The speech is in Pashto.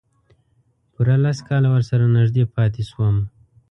پوره لس کاله ورسره نږدې پاتې شوم.